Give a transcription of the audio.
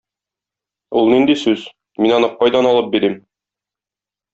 Ул нинди сүз, мин аны кайдан алып бирим?